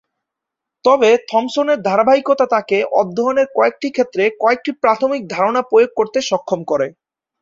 তবে থমসনের ধারাবাহিকতা তাকে অধ্যয়নের কয়েকটি ক্ষেত্রে কয়েকটি প্রাথমিক ধারণা প্রয়োগ করতে সক্ষম করে।